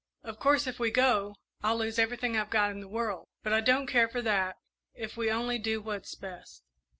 Of course, if we go, I'll lose everything I've got in the world; but I don't care for that, if we only do what's best."